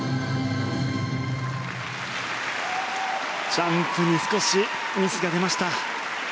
ジャンプに少しミスが出ました。